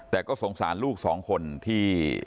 แต่ก็สงสารลูกสองคนที่